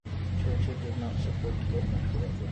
Churchill did not support the government, however.